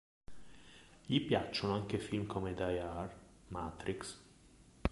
Gli piacciono anche film come Die Hard, Matrix.